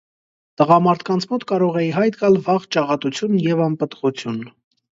Տղամարդկանց մոտ կարող է ի հայտ գալ վաղ ճաղատություն և անպտղություն։